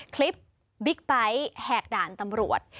คลิปบิ๊กไบท์แหกด่านตำรวจ